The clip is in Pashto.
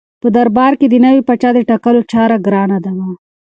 په دربار کې د نوي پاچا د ټاکلو چاره ګرانه وه.